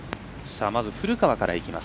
まず古川から。